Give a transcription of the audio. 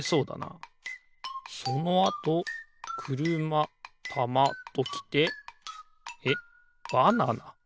そのあとくるまたまときてえっバナナ？